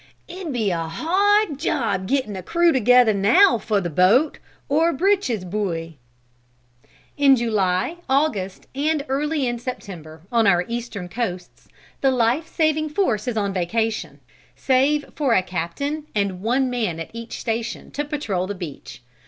It'd be a hard job getting a crew together now for the boat, or breeches buoy." In July, August, and early in September, on our Eastern coasts, the life saving force is on vacation, save for a captain and one man at each station to patrol the beach.